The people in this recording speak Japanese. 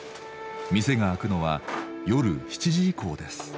店が開くのは夜７時以降です。